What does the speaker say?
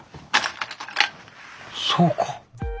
そうか。